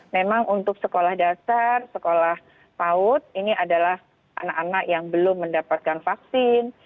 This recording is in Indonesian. memang untuk sekolah dasar sekolah paut ini adalah anak anak yang belum mendapatkan vaksin